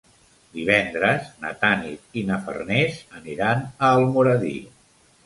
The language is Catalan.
Divendres na Tanit i na Farners aniran a Almoradí.